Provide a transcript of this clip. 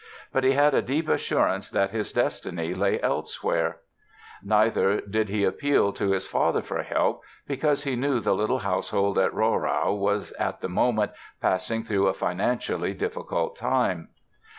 But he had a deep assurance that his destiny lay elsewhere; neither did he appeal to his father for help, because he knew the little household at Rohrau was at the moment passing through a financially difficult time.